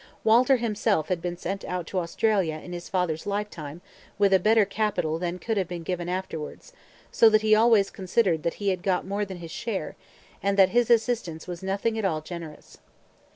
Walter himself had been sent out to Australia in his father's lifetime with a better capital than could have been given afterwards, so that he always considered that he had got more than his share, and that his assistance was nothing at all generous.